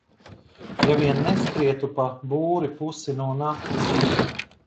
Ja vien neskrietu pa būri pusi no nakts...